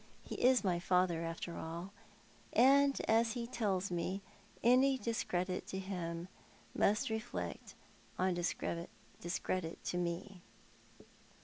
He is my father, after all ; and, as he tells me, any discredit to him must reflect discredit upon me.